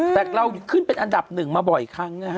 แต่เราขึ้นเป็นอันดับหนึ่งมาบ่อยครั้งนะฮะ